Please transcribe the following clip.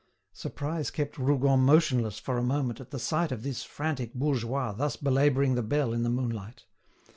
Surprise kept Rougon motionless for a moment at the sight of this frantic bourgeois thus belabouring the bell in the moonlight.